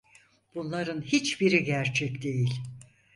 Bunların hiçbiri gerçek değil.